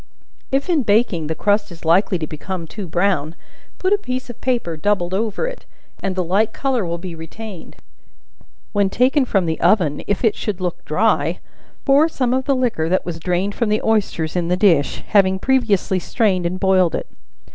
If in baking, the crust is likely to become too brown, put a piece of paper doubled over it, and the light color will be retained; when taken from the oven, if it should look dry, pour some of the liquor that was drained from the oysters in the dish, having previously strained and boiled it.